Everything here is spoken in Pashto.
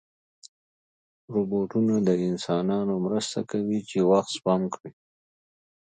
روبوټونه د انسانانو مرسته کوي چې وخت سپم کړي.